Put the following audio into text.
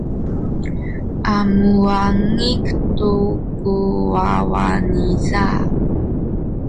a muwangic tu ku wawa niza.